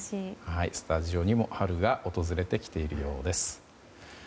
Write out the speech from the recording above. スタジオにも春が訪れてきているようです。